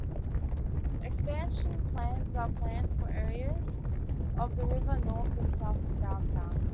Expansion plans are planned for areas of the river north and south of Downtown.